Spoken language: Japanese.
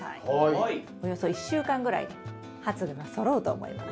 およそ１週間ぐらいで発芽がそろうと思います。